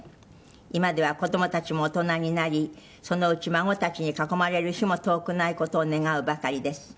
「今では子供たちも大人になりそのうち、孫たちに囲まれる日も遠くない事を願うばかりです」